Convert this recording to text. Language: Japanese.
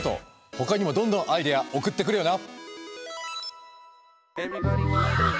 ほかにもどんどんアイデア送ってくれよな。